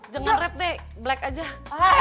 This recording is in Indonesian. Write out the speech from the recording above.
jangan read deh black aja